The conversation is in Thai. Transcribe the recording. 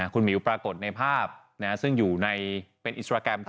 คุณหมิวปรากฏในภาพซึ่งอยู่ในเป็นอินสตราแกรม